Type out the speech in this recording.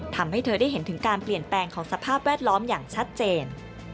ทำให้เธอได้เห็นถึงการเปลี่ยนแปลงของสภาพแวดล้อมอย่างชัดเจน